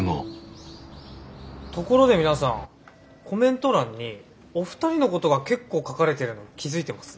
ところで皆さんコメント欄にお二人のことが結構書かれてるの気付いてます？